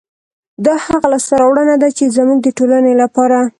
دا هغه لاسته راوړنه ده، چې زموږ د ټولنې لپاره